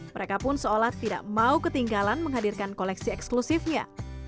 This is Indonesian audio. mereka pun seolah tidak mau ketinggalan menghadirkan koleksi eksklusifnya